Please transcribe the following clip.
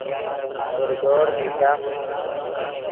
ڤردور نیشا